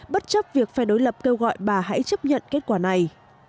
bà không chấp việc phải đối lập kêu gọi bà hãy chấp nhận kết quả này